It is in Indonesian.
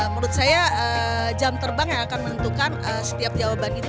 menurut saya jam terbang yang akan menentukan setiap jawaban itu